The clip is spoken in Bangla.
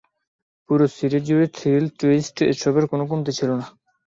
পুরো সিরিজ জুড়ে থ্রিল, টুইস্ট এসবের কোনোই কমতি ছিল না।